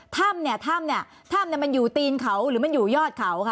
ถ้ำเนี่ยถ้ำเนี่ยถ้ำมันอยู่ตีนเขาหรือมันอยู่ยอดเขาค่ะ